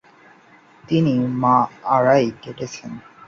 তিনি মা’আরায় কেটেছেন।